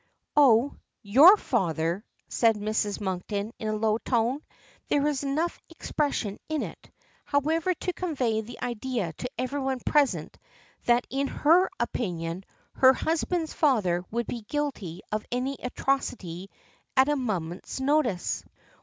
"Oh! your father!" says Mrs. Monkton in a low tone; there is enough expression in it, however, to convey the idea to everyone present that in her opinion her husband's father would be guilty of any atrocity at a moment's notice.